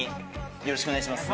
よろしくお願いします。